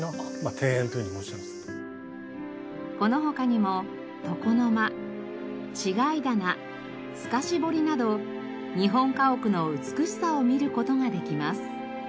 この他にも床の間違い棚透かし彫りなど日本家屋の美しさを見る事ができます。